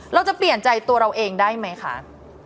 เราจะเปลี่ยนใจตัวเราเองได้ไหมคะ